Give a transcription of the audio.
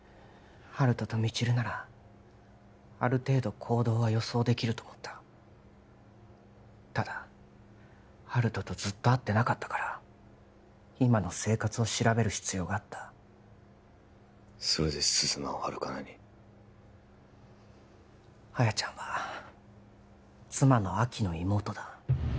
温人と未知留ならある程度行動は予想できると思ったただ温人とずっと会ってなかったから今の生活を調べる必要があったそれで鈴間をハルカナに亜矢ちゃんは妻の亜希の妹だ